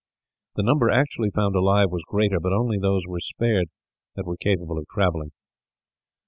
The number actually found alive was greater, but only those were spared that were capable of travelling.